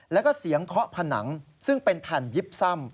แล้วก็เสียงเคาะผนังซึ่งเป็นแผ่นยิบซ่ำ